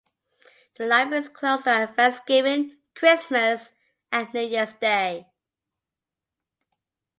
The Library is closed on Thanksgiving, Christmas, and New Year's Day.